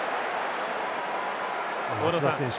松田選手